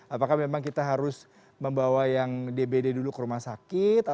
apakah memang kita harus membawa yang dbd dulu ke rumah sakit